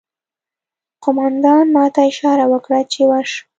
قومندان ماته اشاره وکړه چې ورشم